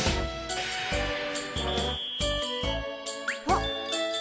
あっ。